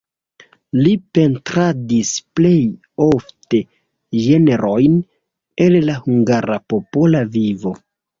Li pentradis plej ofte ĝenrojn el la hungara popola vivo.